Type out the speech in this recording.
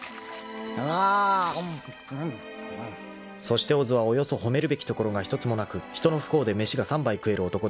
［そして小津はおよそ褒めるべきところが一つもなく人の不幸で飯が３杯食える男である］